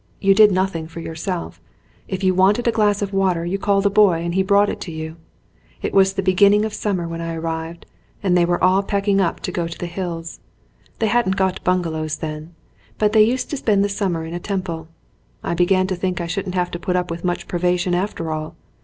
You did nothing for yourself. If you wanted a glass of water you called a boy and he brought it to you. It was the beginning of sum mer when I arrived and they were all packing up to go to the hills. They hadn't got bungalows then, but they used to spend the summer in a temple. I began to think I shouldn't have to put up with much privation after all.